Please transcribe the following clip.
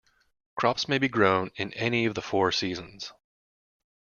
Crops may be grown in any of the four seasons.